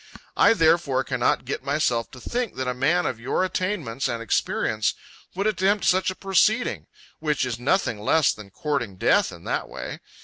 I therefore cannot get myself to think that a man of your attainments and experience would attempt such a proceeding, which is nothing less than courting death in that way.